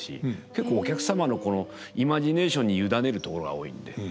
結構お客様のイマジネーションに委ねるところが多いんで。